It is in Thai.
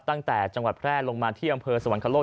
ตั้งแต่จังหวัดแพร่ลงมาที่อำเผอสวรรคโฮล์